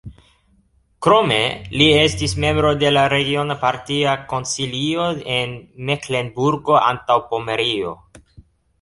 Krome li estis membro de la regiona partia konsilio en Meklenburgo-Antaŭpomerio.